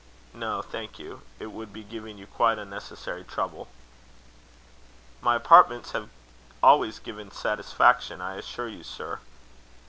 "No, thank you. It would be giving you quite unnecessary trouble." "My apartments have always given satisfaction, I assure you, sir."